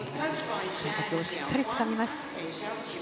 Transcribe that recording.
観客をしっかりつかみます。